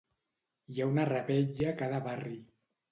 Hi ha una revetlla a cada barri